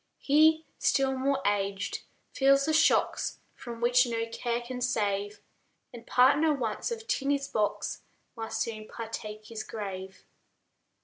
[741 RAINBOW GOLD He, still more aged, feels the shocks From which no care can save, And, partner once of Tiney's box, Must soon partake his grave.